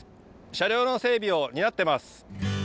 車両の整備を担ってます。